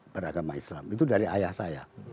beragama islam itu dari ayah saya